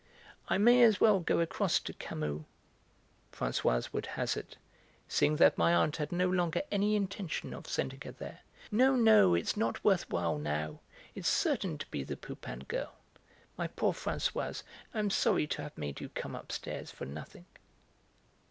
"I may as well go across to Camus..." Françoise would hazard, seeing that my aunt had no longer any intention of sending her there. "No, no; it's not worth while now; it's certain to be the Pupin girl. My poor Françoise, I am sorry to have made you come upstairs for nothing."